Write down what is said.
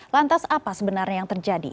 lantas apa sebenarnya yang terjadi